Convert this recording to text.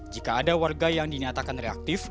jika ada warga yang dinyatakan reaktif